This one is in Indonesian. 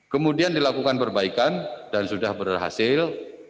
kemudian dilakukan perbaikan dan sudah berhasil